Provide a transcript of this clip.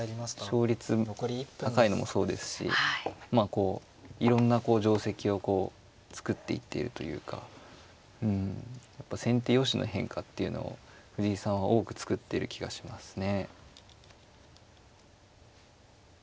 こういろんな定跡をこう作っていっているというかうんやっぱ先手よしの変化っていうのを藤井さんは多く作っている気がしますね。